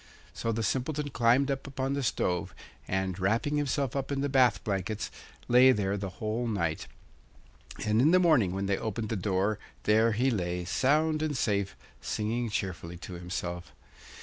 So the Simpleton climbed up upon the stove, and, wrapping himself up in the bath blankets, lay there the whole night. And in the morning when they opened the door there he lay sound and safe, singing cheerfully to himself.